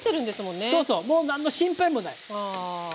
そうそうもう何の心配もない。